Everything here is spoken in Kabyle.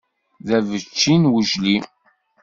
D abecci n wejlim.